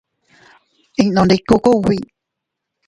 Innu ndiku kugbi.